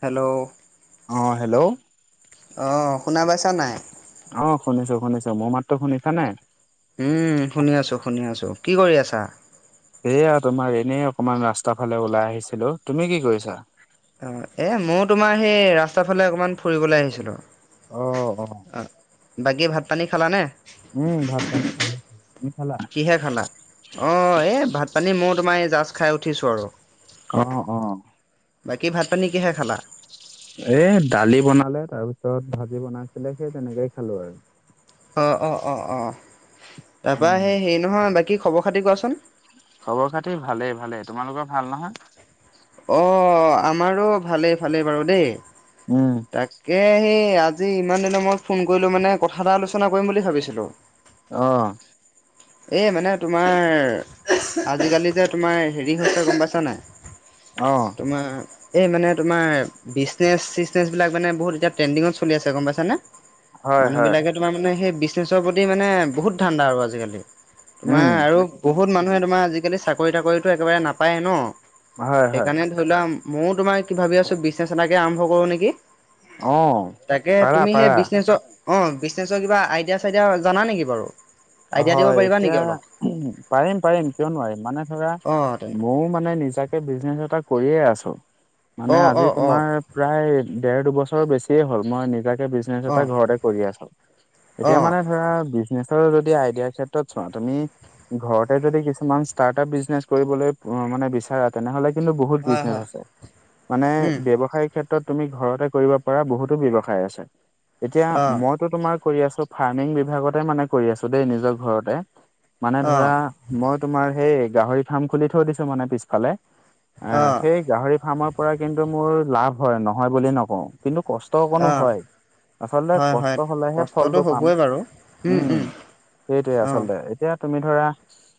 Hello. অ' hello. অ' শুনা পাইছা নাই? অ' শুনিছোঁ শুনিছোঁ। মোৰ মাতটো শুনিছা নাই? উম, শুনি আছোঁ, শুনি আছোঁ। কি কৰি আছা? এয়া তোমাৰ এনেই অকনমান ৰাস্তাৰ ফালে ওলাই আহিছিলো। তুমি কি কৰিছা? অ' এ, ময়ো তোমাৰ সেই ৰাস্তাৰ ফালে অকমান ফুৰিবলৈ আহিছিলো। অ', অ'। অ' বাকী ভাত পানী খালানে? উম, ভাত পানী খালোঁ। কিহেৰে খালা? অ' এই ভাত পানী ময় তোমাৰ এই জাষ্ট খাই উঠিছোঁ আৰু। অ', অ'। বাকী ভাত পানী কিহে খালা? এ, দালি বনালে তাৰপিছত ভাজি বনাইছিলে সেই তেনেকেই খালোঁ আৰু। অ', অ', অ', অ' তাৰপৰা উম সেই হেৰি নহয় বাকী খবৰ খাতি কোৱাচোন। খবৰ খাতিৰ ভালেই ভালেই। তোমালোকৰ ভাল নহয়? অ' আমাৰো ভালেই, ভালেই বাৰু দেই। উম। তাকে সেই আজি ইমান দিনৰ মই ফোন কৰিলো মানে কথা এটা আলোচনা কৰিম বুলি ভাবিছিলো। অ'। [unintelligible] এই মানে তোমাৰ আজিকালি যে তোমাৰ হেৰি হৈছে গম পাইছা নাই? অ। তোমাৰ এই মানে তোমাৰ বিজনেচ-চিজ নেছবিলাক মানে বহুত এতিয়া ট্ৰেন্দিংত চলি আছে গম পইছানে হয় হয় মানুহবিলাকে যে তোমাৰ মানে সেই বিজনেছৰ প্ৰতি মানে বহুত ধান্দা আৰু আজিকালি তোমাৰ উম আৰু বহুত মানুহে তোমাৰ আজিকালি চাকৰি-তাকৰিটো একেবাৰে নাপায়েই ন হয় হয় সেইকাৰণে ধৰি লোৱা মইয়ো তোমাৰ কি ভাবি আছো বিজনেছ এটাকে আৰম্ভ কৰো নিকি। অ তাকে পাৰা তুমি সেই পাৰা। বিজনেচৰ অ বিজনেচৰ কিবা আইডিয়া-চাইডিয়া জানা নেকি বাৰু? আইডিয়া দিব হয় পাৰিবা এতিয়া নেকি অলপ? পাৰিম পাৰিম কিয় নোৱাৰিম মানে ধৰা অ তেনে মইও মানে নিজাকে বিজনেচ এটা কৰিয়ে আছো মানে অ আজি অ অ তোমাৰ প্ৰায় দেৰ দুবছৰ বেছিয়ে হ'ল মই নিজাকে বিজ নেচ অ। এটা ঘৰতে কৰি আছো এতিয়া অ', মানে ধৰা বিজনেচৰ যদি দি আইদিয়াৰ ক্ষেত্ৰত চোৱা তুমি ঘৰতে যদি কিছুমান ষ্টাৰ্ট আপ বিজনেচ কৰিবলৈ মানে বিচাৰা তেনেহ'লে কিন্তু বহুত হয়, বিজনেচ হয়, আছে মানে উম, ব্যৱসায় ক্ষেত্ৰ ক্ষেত্ৰত তুমি ঘৰতে কৰিব পৰা বহুতো ব্যৱসায় আছে এতিয়া অ', মই মইটো তোমাৰ কৰি আছো ফাৰ্মিং বিভাগতে মানে কৰি আছো দেই নিজৰ ঘৰতে মানে ধৰা অ', মই তোমাৰ সেই গাহৰি ফাৰ্ম খুলি থৈ দিছো মানে পিছফালে আ অ', সেই গাহৰি ফাৰ্মৰ পৰা কিন্তু মোৰ লাভ হয় নহয় বুলি নকওঁ কিন্তু কষ্ট অকণো অ', হয়। আচলতে হয়, হয়, কষ্ট হ'লেহে কষ্টটো ফলটো পাম হ'বই বাৰু। উম সেইটোৱে অ', আচলতে। এতিয়া তুমি ধৰা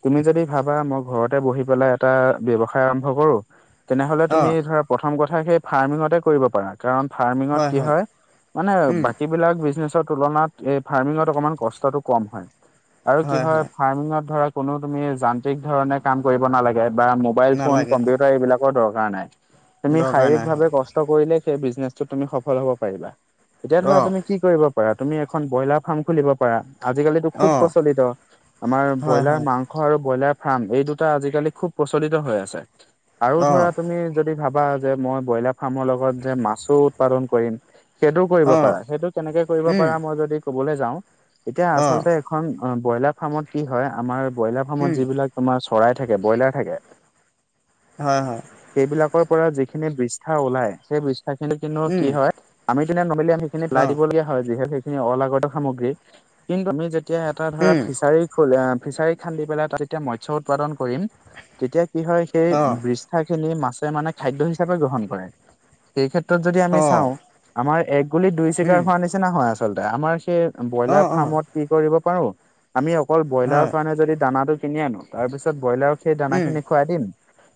তুমি যদি ভাবা মই ঘৰতে বঢ়ি পেলাই এটা ব্যৱসায় আৰম্ভ কৰো তেনেহ'লে তুমি অ', ধৰা প্ৰথম কথা সেই ফাৰ্মিঙতে কৰিব পাৰা। কাৰণ ফাৰ্মিংত কি হয় মানে উম, বাকী বিলাক বিজনেচৰ তুলনাত এই ফাৰ্মিঙত অকমান কষ্টটো কম হয়। আৰু কি হয় ফাৰ্মিঙত ধৰা কোনো তুমি যান্ত্ৰিক ধৰণে কাম কৰিব নালাগে বা ম মোবাইল ফোন, নালাগে হয়, কম্পিউটাৰ এইবিলাকৰ দৰকাৰ নাই তুমি দৰকাৰ নাই শাৰীৰিকভাৱে হয়, কষ্ট কষ্ট কৰিলেই সেই বিজনেচটোত তুমি সফল হ'ব পাৰিবা। এতিয়া ধৰা অ', তুমি কি কৰিব পাৰা তুমি এখন ব্ৰইলাৰ ফাৰ্ম খুলিব পাৰা আজিকালিটো খুব অ', প্ৰচলিত আমাৰ হয়, ব্ৰইলাৰ হয়, মাংস মাংস আৰু ব্ৰইলাৰ ফাৰ্ম এই দুটা আজিকালি খুব প্ৰচলিত হৈ আছে আৰু অ', ধৰা তুমি যদি ভাবা যে মই ব্ৰইলাৰ ফাৰ্মৰ লগত যে মাছো উৎপাদন কৰিম সেইটোও কৰিব অ', পাৰা সেইটো কেনেকে কৰিব উম, পাৰা মই যদি কবলে যাওঁ এতিয়া অ', আচলতে এখন আ ব্ৰইলাৰ ফাৰ্মত কি হয় আমাৰ ব্ৰইলাৰ উম, ফাৰ্মত যিবিলাক তোমাৰ চৰাই থাকে ব্ৰইলাৰ থাকে হয় হয়। সেইবিলাকৰ পৰা যিখিনি বৃষ্ঠা ওলাই সেই বৃষ্ঠাখিনি কিন্তু উম, কি হয় আমি তেনে নৰ্মেলি আমি সেইখিনি পলাই অ', দিব লগীয়া হয় যিহেতু সেইখিনি অলাগতীয়াল সামগ্ৰী কিন্তু আমি যেতিয়া এটা ধৰা উম, ফিচাৰী আ ফিচাৰী খান্দি পেলাই তাত যেতিয়া মৎস্য উৎপাদন কৰিম তেতিয়া কি হয় সেই অ', বৃষ্ঠা বৃষ্ঠাখিনি মাছে মানে খাদ্য হিচাপে গ্ৰহণ কৰে সেই ক্ষেত্ৰত যদি আমি অ', চাওঁ আমাৰ এক গুলিত দুই চিকাৰ উম, হোৱা নিচিনা হয় আচলতে আমাৰ সেই ব্ৰইলাৰ অ', অ', ফাৰ্মত কি কৰিব পাৰো আমি অকল ব্ৰইলাৰৰ হয়, কাৰণে যদি দানাটো কিনি আনো তাৰ পিছত ব্ৰইলাৰক সেই উম, দানাখিনি খোৱাই দিম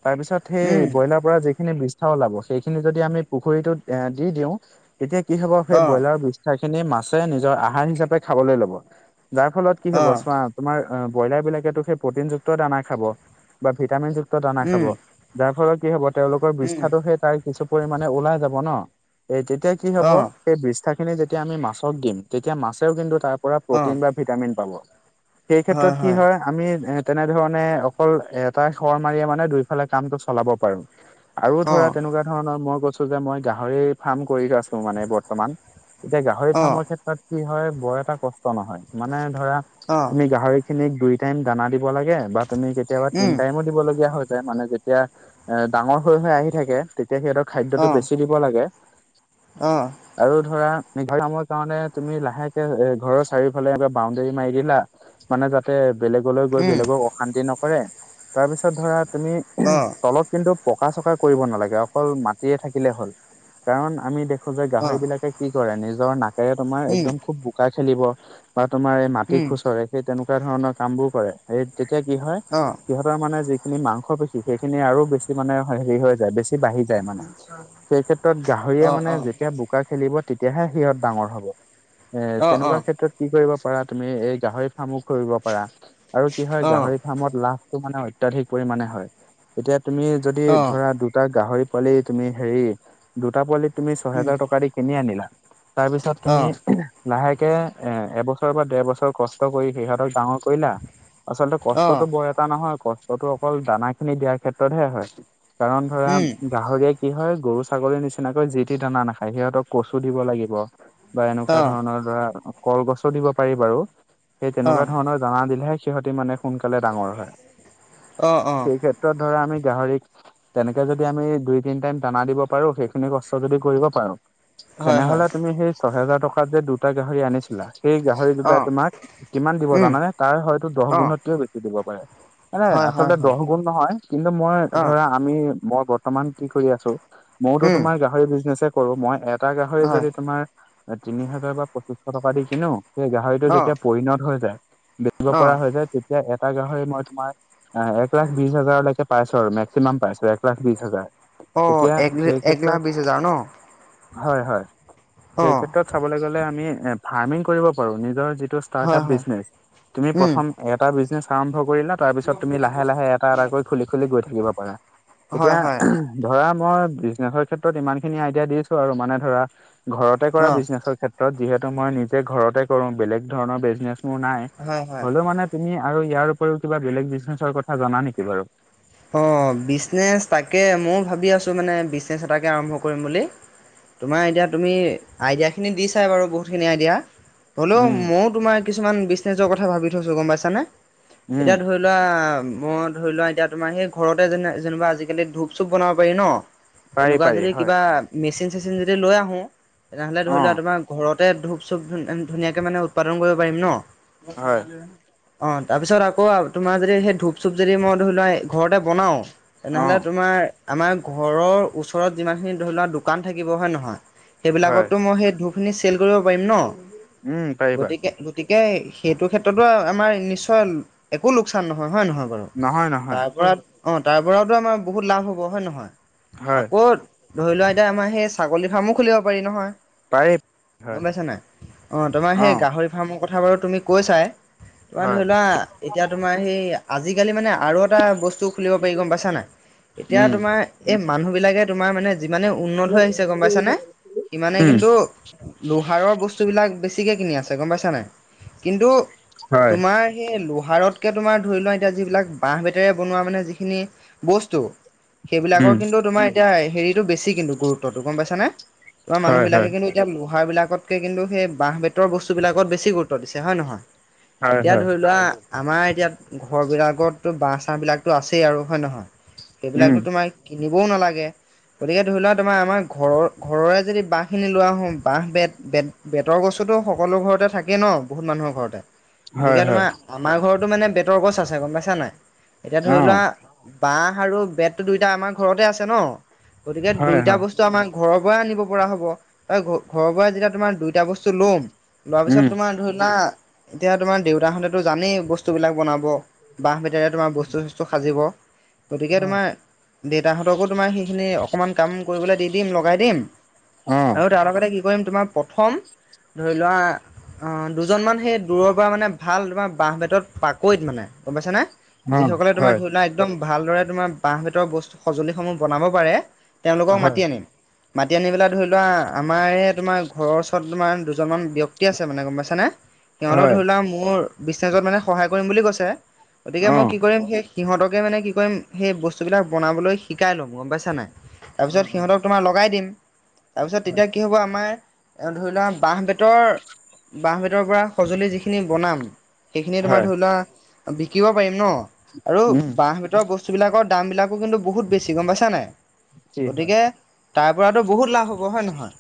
তাৰপিছত সেই উম, ব্ৰইলাৰ পৰা যিখিনি বৃষ্ঠা ওলাব সেইখিনি যদি আমি পুখুৰীটোত এ দি দিওঁ তেতিয়া কি হ'ব সেই অ', ব্ৰইলাৰ বিষ্ঠাখিনি মাছে নিজৰ আহাৰ হিচাপে খাবলৈ ল'ব যাৰ ফলত কি হ'ব অ', চোৱা তোমাৰ ব্ৰইলাৰবিলাকেটো সেই প্ৰ'টিনযুক্ত দানা খাব বা ভিটামিনযুক্ত যুক্ত দানা খাব উম, যাৰ ফলত কি হ'ব তেওঁলোকৰ উম, বিষ্ঠাটো সেই তাৰ কিছু পৰিমানে ওলাই যাব ন এই তেতিয়া কি হ'ব অ', সেই বৃষ্ঠাখিনি যেতিয়া আমি মাছক দিম তেতিয়া মাছেও কিন্তু তাৰ পৰা প্ৰ'টিন অ', বা ভিটামিন পাব। সেই ক্ষেত্ৰত কি হয় আমি এ তেনেধৰণে অকল এটা শৰ মাৰিয়ে মানে দুইফালে কামটো চলাব পাৰো আৰু ধৰা অ', তেনেকুৱা ধৰণৰ মই কৈছোঁ যে মই গাহৰি ফাৰ্ম কৰি আছো মানে বৰ্তমান এতিয়া গাহৰি অ', ফাৰ্মৰ ক্ষেত্ৰত তাত কি হয় বৰ এটা কষ্ট নহয় মানে ধৰা অ', তুমি গাহৰি খিনিক দুই টাইম দানা দিব লাগে বা তুমি কেতিয়াবা তিন উম, টাইমো দিব লগগীয়া হৈ যায় মানে এতিয়া এ ডাঙৰ হৈ, হৈ আহি থাকে তেতিয়া সিহঁতৰ খাদ্যতটো অ', বেছি দিব লাগে। অ'। আৰু ধৰা নি [unintelligible] ঘৰ কামৰ কাৰণে তুমি লাহেকে এ ঘৰৰ চাৰিওফালে এ বাউণ্ডেৰী মাৰি দিলা মানে যাতে বেলেগলৈ গৈ উম, বেলেগক অশান্তি নকৰে তাৰপিছত ধৰা তুমি অ', তলত কিন্তু পকা চকা কৰিব নালাগে অকল মাটিৰে থাকিলে হ'ল কাৰণ আমি দে খোজে গাহৰি অ', বিলাকে কি কৰে নিজৰ নাকেৰে তোমাৰ উম, একদম খুব বোকা খেলিব বা তোমাৰ মাটি উম, খুচৰে সেই তেনেকুৱা ধৰণৰ কাম বোৰ কৰে সেই তেতিয়া কি হয় অ'। সিহঁতৰ মানে যিখিনি মাংসপেশী সেইখিনি আৰু বেছি মানে হেৰি হৈ যায় বেছি বাঢ়ি যায় মানে সেই ক্ষেত্ৰত গাহৰি অ', অ', মানে অ', যেতিয়া বুকা খেলিব তেতিয়াহে সিহঁত ডাঙৰ হ'ব এ তেনেকুৱা অ', ক্ষেত্ৰত কি কৰিব পাৰা তুমি এই গাহৰি ফাৰ্মো কৰি পাৰা আৰু কি হয় অ', গাহৰি ফাৰ্মত লাভটো মানে অত্যাধিক পৰিমাণে হয়। এতিয়া তুমি যদি অ', ধৰা দুটা গাহৰি পোৱালি তুমি হেৰি দুটা পোৱালিত তুমি উম, ছহেজাৰ টকা দি কিনি আনিলা তাৰ পিছত তুমি অ', লাহেকে এ এবছৰ বা ডেৰ বছৰ কষ্ট কৰি সিহঁতক ডাঙৰ কৰিলা আচলতে অ', কষ্টতটো বৰ এটা নহয় কষ্টতটো অকল দানা খিনি দিয়াৰ ক্ষেত্ৰত হে হয়। কাৰণ ধৰা উম, গাহৰিয়ে কি হয় গৰু ছাগলীৰ নিচিনাকৈ যি টি দানা নাখায় সিহঁতক কচু দিব লাগিব। বা এনেকুৱা অ', ধৰণৰ ধৰা কলগছো দিব পাৰি বাৰু সেই তেনেকুৱা অ', ধৰণৰ দানা দিলেহে সিহঁতি মানে সোনকালে ডাঙৰ হয়। অ', অ'। সেই ক্ষেত্ৰত ধৰা আমি গাহৰিক তেনেকে যদি আমি দুই তিনি টাইম দানা দিব পাৰো সেইখিনি কষ্ট যদি কৰিব পাৰো হয়, হয়, তেনেহলে তুমি সেই ছহেজাৰ টকাত যে দুটা গাহৰি আনিছিলা সেই গাহৰি দুটাই অ', তোমাক কিমান দিব উম, জানানে তাৰ হয়তো দহ অ', গুণতকেও বেছি দিব পাৰে। মানে হয়, হয়, আচলতে হয়, দহ গুণ নহয় কিন্তু মই অ', ধৰা আমি মই বৰ্তমান কি কৰি আছোঁ ময়ওতো উম, তোমাৰ গাহৰি বিজনেছে কৰো মই এটা গাহৰি হয়, যদি তোমাৰ তিনি হাজাৰ বা পঁচিশ টকা দি কিনো সেই গাহৰিটো অ', যেতিয়া পৰিণত হৈ যায় দূৰৰ পৰা অ', হয় যে তেতিয়া এটা গাহৰি মই তোমাৰ আহ এক এক লাখ বিশছ হাজাৰলৈকে পাইছোঁ আৰু মেক্সিমাম পাইছো এক লাখ বিশছ হাজাৰ অ', তেতিয়া এক, সেই এক লাখ ক্ষেত্ৰত বিশছ হাজাৰ ন। হয়, হয় সেই অ', ক্ষেত্ৰত চাবলৈ গলে আমি ফাৰ্মিং কৰিব পাৰো নিজৰ যিটো হয়, হয়, চাৰ্টাপবিজনেচ তুমি উম, প্ৰথম এটা বিজেনেচ আৰাম্ভ কৰিলা তাৰপিছত তুমি লাহে, লাহে এটা এটা কৰি খুলি, খুলি গৈ থাকিব পাৰা হয়, এতিয়া হয়, ধৰা মই বিজনেছৰ ক্ষেত্ৰত ইমান খিনি আইডিয়া দিছো আৰু মানে ধৰা ঘৰতে কৰা অ', বিজনেছৰ ক্ষেত্ৰত যিহেতু মই নিজে ঘৰতে কৰোঁ বেলেগ ধৰণৰ বিজনেছ মোৰ নাই। হয়, হয়, হ'লেও মানে তুমি আৰু ইয়াৰ উপৰিও কিবা বেলেগ বিজনেচৰ কথা জানা নেকি বাৰু? অ', বিজনেছ তাকে ময়ো ভাবি আছোঁ মানে বিজনেছ এটাকে আৰম্ভ কৰিম বুলি তোমাৰ এতিয়া তুমি আইডিয়াখিনি দিচাই বাৰু বহুতখিনি আইডিয়া হ'লেও উম, মইয়ো তোমাৰ কিছুমান বিজনেছৰ কথা ভাবি থৈছোঁ গম পাইছানে উম, এতিয়া ধৰি ধৰা মই ধৰি লোৱা এতিয়া তোমাৰ সেই ঘৰতে যে যেনিবা আজিকালি ধূপ চুপ বনাব পাৰি ন। পাৰি তেনেকুৱা পাৰি যদি হয় কিবা মেচিন চেচিন যদি লৈ আহোঁ তেনেহ'লে ধৰি লোৱা অ', তোমাৰ ঘৰতে ধূপ-চূপ ধুনীয়াকে মানে উৎপাদন কৰিব পাৰিম ন। হয় অ', তাৰ পিছত আকৌ তোমাৰ যদি সেই ধূপ চুপ যদি মই ধৰি লোৱা এই ঘৰতে বনাওঁ তেনেহ'লে অ', তোমাৰ আমাৰ ঘৰৰ ওচৰত যিমানখিনি ধৰি লোৱা দোকান থাকিব হয় নহয়, হয় সেইবিলাকতো মই সেই ধূপ আপুনি চেল কৰিব পাৰিম ন' উম, পাৰিবা গতিকে গতিকে সেইটো ক্ষেত্ৰতো আমাৰ নিশ্চয় একো লোকচান নহয়, হয় নহয় বাৰু? নহয় ন তাৰপৰা অ' তাৰপৰাওতো আমাৰ বহুত লাভ হ'ব হয় নহয়? হয়। আকৌ ধৰি লোৱা এতিয়া আমাৰ সেই ছাগলী ফাৰ্মো খুলিব পাৰি নহয়। পাৰি হয় গম পাইছ নাই? অ' তোমাৰ সেই গাহৰি ফাৰ্মৰ কথা বাৰু তুমি কৈছাই। তোমাৰ হয় ধৰি লোৱা এতিয়া তোমাৰ সেই আজিকালি মানে আৰু এটা বস্তু খুলিব পাৰি গম পাইছা নাই? এতিয়া উম তোমাৰ এই মানুহবিলাকে তোমাৰ মানে যিমানে উন্নত হৈ আহিছে গম পাইছানে, সিমানে কিন্তু লোহাৰৰ বস্তুবিলাক বেছিকে কিনি আছে গম পাইছা নাই? কিন্তু হয় তোমাৰ সেই লোহাৰতকে তোমাৰ ধৰি লোৱা এতিয়া যিবিলাক বাঁহ বেত হাতেৰে মানে যিখিনি বস্তু সেইবিলাকৰ উম কিন্তু তোমাৰ এতিয়া হেৰিটো বেছি কিন্তু গুৰুত্বটো গম পাইছ নে? তোমাৰ হয় মানুহবিলাকে হয় কিন্তু এতিয়া লোহাৰবিলাকতকে কিন্তু সেই বাঁহ বেতৰ বস্তুবিলাকত বেছি গুৰুত্ব দিছে হয় নহয়? হয় এতিয়া হয় ধৰি লোৱা আমাৰ এতিয়া ঘৰবিলাকততো বাছ বিলাক তো আছেই আৰু হয় নহয়, উম সেইবিলাকতো তোমাৰ কিনিবও নালাগে। গতিকে ধৰি লোৱা তোমাৰ আমাৰ ঘৰৰ ঘৰৰে যদি বাঁহখিনি লোৱা আহোঁ, বাঁহ বেত, বেত বেতৰ বস্তুটো সকলো ঘৰতে থাকে ন' বহুত মানুহৰ ঘৰতে? হয় গতিকে হয় তোমাৰ আমাৰ ঘৰতো মানে বেতৰ গছ আছে গম পাইছা নাই, এতিয়া ধৰি অ লোৱা বাঁহ আৰু বেততো দুইটা আমাৰ ঘৰতে আছে ন' গতিকে হয় দুইটা হয় বস্তু আমাক ঘৰৰ পৰাই আনিব পৰা হ'ব। ঘ-ঘৰৰ পৰাই যেতিয়া তোমাৰ দুইটা বস্তু লম, লোৱাৰ পিছত উম তোমাৰ ধৰি লোৱা এতিয়া তোমাৰ দেউতাহঁতেতো জানেই বস্তুবিলাক বনাব, বাঁহ বেঁত তে তোমাৰ বস্তু চস্তু সাজিব গতিকে হয় তোমাৰ দেউতাহতকো তোমাৰ সেইখিনি অকমান কাম কৰিবলৈ দি দিম লগাই দিম অ আৰু তাৰ লগতে কি কৰিম তোমাৰ প্ৰথম ধৰি লোৱা অ' দুজনমান সেই দূৰৰপৰা মানে ভাল তোমাৰ বাঁহ বেতত পাকৈত মানে গম পাইছা নে? অ যিসকলে তোমাৰ হয় ধৰি লোৱা একদম ভালদৰে তোমাৰ বাঁহ বেতৰ বস্তু, সঁজুলিসমূহ বনাব পাৰে। তেওঁলোকক হয় মাতি আনিম। মাতি আনি পেলাই ধৰি লোৱা আমাৰ তোমাৰ ঘৰৰ ওচৰত তোমাৰ দুজনমান ব্যক্তি আছে মানে গম পাইছা নে? তেওঁলোক ধৰি হয় লোৱা মোৰ বিজনেচত মানে সহায় কৰিম বুলি কৈছে গতিকে অ মই কি কৰিম সেই সিহঁতকে মানে কি কৰিম সেই বস্তুবিলাক বনাবলৈ শিকাই ল'ম গম পাইছা নাই, অ তাৰপিছত অ সিহঁতক তোমাৰ লগাই দিম, তাৰপিছত হয় তেতিয়া কি হ'ব আমাৰ আৰু ধৰি লোৱা বাঁহ বেতৰ বাঁহ বেতৰপৰা সঁজুলি যিখিনি বনাম সেইখিনি তোমাৰ হয় ধৰি লোৱা বিকিব পাৰিম ন'। আৰু উম বাঁহ বেতৰ বস্তু বিলাকৰ দাম বিলাকো কিন্তু বহুত বেছি গম পাইছা নাই? কি হয় গতিকে তাৰপৰাতো বহুত লাভ হ'ব হয় নহয়,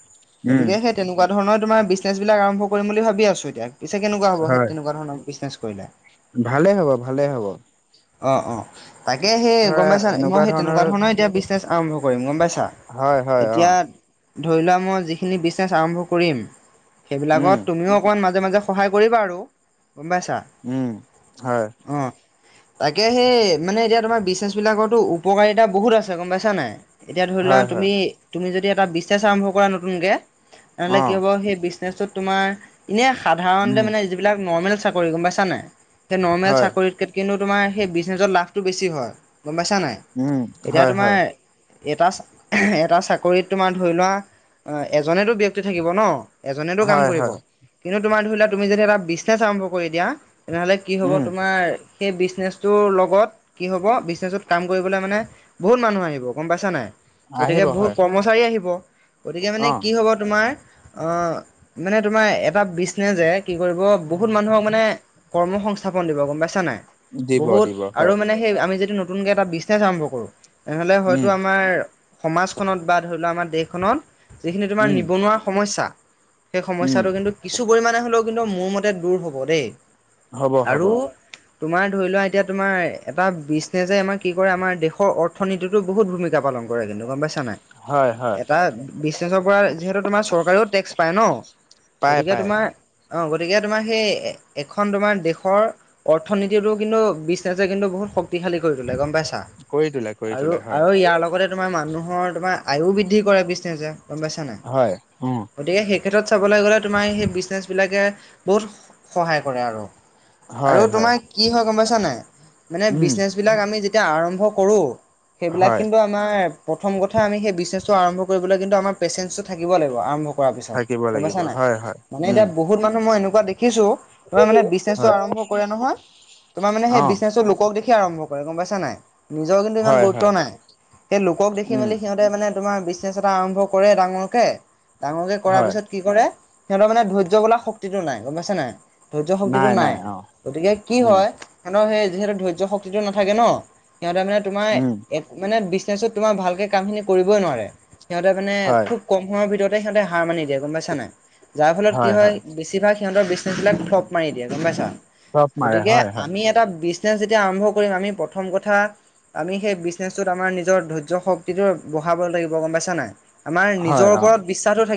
উম গতিকে সেই তেনেকুৱা ধৰণৰ তোমাৰ বিজনেছবিলাক আৰম্ভ কৰিম বুলি ভাবি আছোঁ এতিয়া। পিছে কেনেকুৱা হ'ব সে তেনেকুৱা ধৰনৰ বিনেছ কৰিলে? ভালে হ'ব, ভালে হ'ব। অ', অ' তাকে সেই গম ধৰা পাইছা মই এনেকুৱা সেই তেনেকুৱা ধৰণৰ এতিয়া বিজনেছ আৰম্ভ কৰিম গম পাইছা? হয় হয় অ এতিয়া ধৰি লোৱা মই যিখিনি বিজনেছ আৰম্ভ কৰিম উম সেইবিলাকত তুমিও অকণমান মাজে মাজে সহায় কৰিবা আৰু গম পাইছা? উম, হয়। অ'। তাকে সেই মানে এতিয়া তোমাৰ বিজনেচ বিলাকৰো উপকাৰিতা বহুত আছে গম পাইছা নাই? এতিয়া ধৰি লোৱা হয় হয় তুমি, তুমি যদি এটা বিজনেচ আৰম্ভ কৰা নতুনকে তেনেহ'লে অ কি হ'ব সেই নেচটোত তোমাৰ এনে সাধাৰণতে উম মানে যিবিলাক নৰ্মেল চাকৰি গম পাইছা নাই সেই নৰ্মেল হয় চাকৰিতকৈ কিন্তু তোমাৰ সেই বিজনেছত লাভটো বেছি হয় গম পাইছা নাই? উম এতিয়া হয় তোমাৰ হয় এটা এটা চাকৰিত তোমাৰ ধৰি লোৱা, এজনেতো ব্যক্তি থাকিব ন এজনেতো কাম হয় কৰিব, হয় কিন্তু তোমাৰ ধৰিলোৱা তুমি যদি এটা বিজনেচ আৰম্ভ কৰি দিয়া তেনেহ'লে কি হ'ব উম তোমাৰ, সেই বিজনেচটোৰ লগত কি হ'ব বিজনেছত কাম কৰিবলৈ মানে বহুত মানুহ আহিব। গম পাইছা নাই? গতিকে আহিব বহুত হয় কৰ্মচাৰী আহিব। গতিকে মানে অ কি হব তোমাৰ অ', মানে তোমাৰ, এটা বিচনেজে কি কৰিব বহুত মানুহক মানে কৰ্ম সংস্থাপন দিব গম পাইছা নাই, দিব বহুত দিব আৰু হয় মানে সেই আমি যদি নতুনকে এটা বিজনেচ আৰম্ভ কৰো, তেনেহ'লে হয়তো উম আমাৰ সমাজখনত বা ধৰিলোৱা আমাৰ দেশখনত যিখিনি তোমাৰ উম নিবনুৱা সমস্যা সেই উম সমস্যাটো কিন্তু কিছু পৰিমাণে হলেও কিন্তু মোৰ মতে দূৰ হব দেই। হ'ব, হ'ব। আৰু তোমাৰ ধৰিলোৱা, এতিয়া তোমাৰ এটা বিজনেজে আমাৰ কি কৰে আমাৰ দেশৰ অৰ্থনীতি তো বহুত ভূমিকা পালন কৰে কিন্তু, গম পাইছা? হয় হয় ছানাই এটা বিজনেজৰ পৰা যিহেতু তোমাৰ চৰকাৰেও টেক্স পায় ন। পাই গতিকে পাই তোমাৰ অ', গতিকে তোমাৰ সেই এখন তোমাৰ দেশৰ অৰ্থনীতিটো কিন্তু বিছনেজে কিন্তু বহুত শক্তিশালী কৰি তোলে গম পাইছা। কৰি তোলে কৰি আৰু, তোলে হয় আৰু ইয়াৰ লগতে তোমাৰ মানুহৰ তোমাৰ আয়ু বৃদ্ধি কৰে বিজনেজে গম পাইছ। হয়, উম। গতিকে, সেই ক্ষেত্ৰত চাবলৈ গ'লে তোমাৰ সেই বিজনেজ বিলাকে বহুত সহায় কৰে আৰু। হয় আৰু হয় তোমাৰ কি হয় গম পাইছা নাই, মানে উম বিজনেজ বিলাক আমি যেতিয়া আৰম্ভ কৰো সেইবিলাক হয় কিন্তু আমাৰ প্ৰথম কথা, আমি সেই বিজনেজ আৰম্ভ কৰিবলৈ কিন্তু আমাৰ পেচেঞ্চটো থাকিব লাগিব, আৰম্ভ কৰা পিছত। থাকিব গম লাগিব পাইছা নাই, হয় হয় মানে উম এতিয়া ব বহুত মানুহ মই এনেকুৱা দেখিছো, তোমাৰ মানে বিজনেজটো হয় আৰম্ভ কৰে নহয় তোমাৰ মানে অ বিজনেজটো লোকক দেখি আৰম্ভ কৰে, গম পাইছা নাই? নিজৰ কিন্তু ইমান হয় গুৰুত্ব হয় নাই। সেই লোকক দেখি উম মেলি সিহঁত মানে তোমাৰ বিজনেজ এটা আৰম্ভ কৰে ডাঙৰকে, ডাঙৰকে কৰাৰ হয় পিছত কি কৰে, সিহঁতৰ মানে ধৈৰ্য বোলা শক্তিটো নাই, গম পাইছে নাই ধৈৰ্য্য শক্তিটো নাই। গতিকে কি উম হয়, সিহঁতৰ সেই যিহেতু ধৈৰ্য শক্তিটো নাথাকে ন, সিহঁতে মানে তোমাৰ উম এ মানে বিজনেজটোত তোমাৰ ভালকে কাম খিনি কৰিবই নোৱাৰে, সিহঁতে মানে হয় খুব কম সময়ৰ ভিতৰতে সিহঁতে হাৰ মানি দিয়ে গম পাইছা নাই, যাৰ ফলত কি হয় বে বেছিভাগ সিহঁতৰ বিজনেজ বিলাক ফ্লপ মাৰি দিয়ে গম পাইছা। চব মাৰে গতিকে হয় হয় আমি এটা বিজনেছ যেতিয়া আৰম্ভ কৰিম, আমি প্ৰথম কথা আমি সেই বিজনেজটোত আমাৰ নিজৰ ধৈৰ্য্য শক্তিটো বঢ়াব লাগিব, গম পাইছা নাই? আমাৰ নিজৰ হয় অ ওপৰত বিশ্বাসটো থাকি